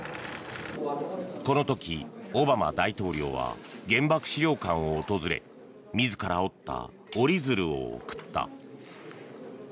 この時、オバマ大統領は原爆資料館を訪れ自ら折った折り鶴を贈った。